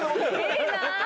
いいな！